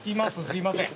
すいません。